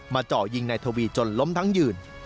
เจาะยิงนายทวีจนล้มทั้งยืน